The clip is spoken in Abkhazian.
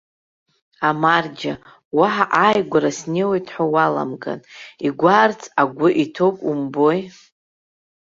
Амарџьа, уаҳа ааигәара снеиуеит ҳәа уаламган, игәаарц агәы иҭоуп умбои!